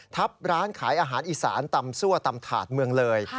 ทับร้านขายอาหารอีสานตำซั่วตำถาดเมืองเลย